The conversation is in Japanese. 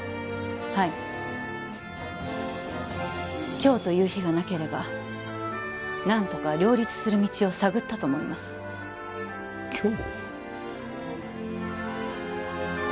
はい今日という日がなければ何とか両立する道を探ったと思います今日？